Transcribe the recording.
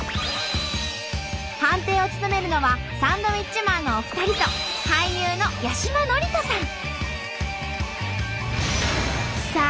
判定を務めるのはサンドウィッチマンのお二人と俳優の八嶋智人さん。